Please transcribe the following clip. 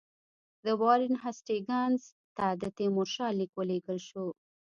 د وارن هېسټینګز ته د تیمورشاه لیک ولېږل شو.